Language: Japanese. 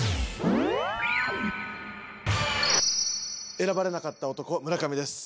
選ばれなかった男村上です。